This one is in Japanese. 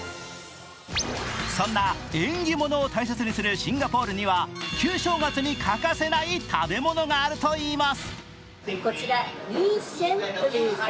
そんな縁起物を大切にするシンポジウムには旧正月に欠かせない食べ物があるといいます。